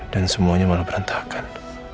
dan semuanya malah berantakan